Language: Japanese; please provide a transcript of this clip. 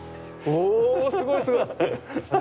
おすごいすごい。